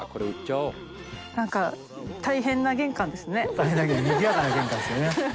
大変にぎやかな玄関ですよね。